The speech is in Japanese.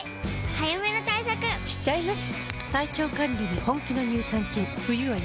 早めの対策しちゃいます。